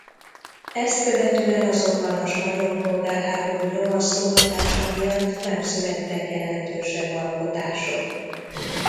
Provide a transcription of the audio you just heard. Ezt követően azonban a spanyol polgárháború nyomasztó hatása miatt nem születtek jelentősebb alkotások.